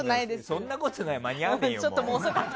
そんなことないは間に合わねえよ。